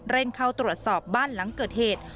เข้าตรวจสอบบ้านหลังเกิดเหตุ